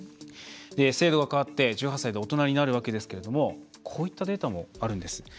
制度が変わって、１８歳で大人になるわけですがこういったデータもあるんです。